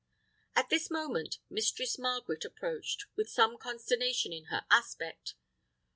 At this moment Mistress Margaret approached, with some consternation in her aspect.